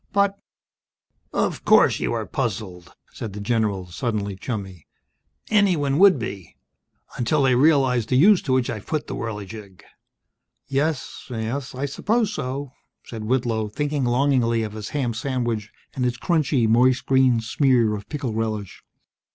"But " "Of course you are puzzled," said the general, suddenly chummy. "Anyone would be. Until they realized the use to which I've put the Whirligig!" "Yes. Yes, I suppose so ..." said Whitlow, thinking longingly of his ham sandwich, and its crunchy, moist green smear of pickle relish.